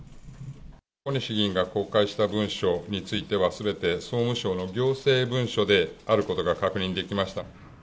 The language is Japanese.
小西議員が公開した文書については、すべて総務省の行政文書であることが確認できました。